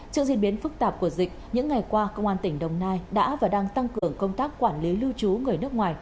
trước diễn biến phức tạp của dịch những ngày qua công an tỉnh đồng nai đã và đang tăng cường công tác quản lý lưu trú người nước ngoài